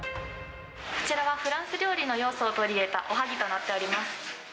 こちらは、フランス料理の要素を取り入れたおはぎとなっております。